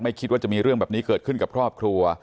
คิดว่าจะมีเรื่องแบบนี้เกิดขึ้นกับครอบครัว